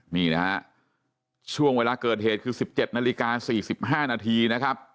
นี่นะฮะช่วงเวลาเกิดเหตุคือ๑๗นาฬิกา๔๕นาทีนะครับ